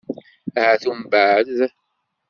Ahat umbeɛd.